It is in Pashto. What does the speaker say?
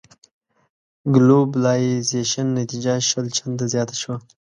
ګلوبلایزېشن نتيجه شل چنده زياته شوه.